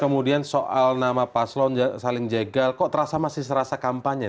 kemudian soal nama paslon saling jegal kok terasa masih serasa kampanye